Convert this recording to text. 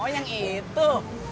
oh yang itu